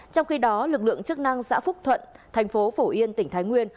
trong khi đó lực lượng chức năng xã phúc thuận thành phố phổ yên tỉnh thái nguyên